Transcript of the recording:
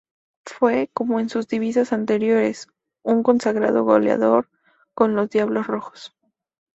Fue, como en sus divisas anteriores, un consagrado goleador con los "Diablos Rojos".